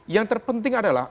yang terpenting adalah